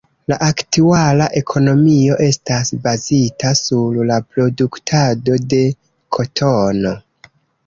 La aktuala ekonomio estas bazita sur la produktado de kotono.